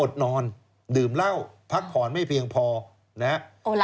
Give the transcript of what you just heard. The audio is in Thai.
นอนดื่มเหล้าพักผ่อนไม่เพียงพอนะฮะ